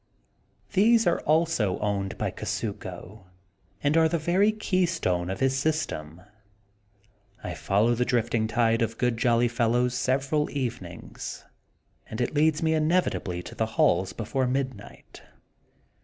These are also owned by Kusuko and are the very keystone of his system. I follow the drifting tide of jolly good fellows several evenings and it leads me inevitably to the halls before mid night.